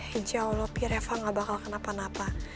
haji allah pi reva nggak bakal kenapa napa